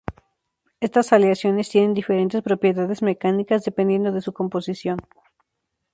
Estas aleaciones tienen diferentes propiedades mecánicas, dependiendo de su composición.